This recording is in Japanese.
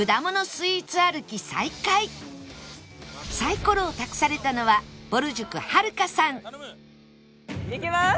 スイーツ歩き再開サイコロを託されたのはぼる塾はるかさんいきます！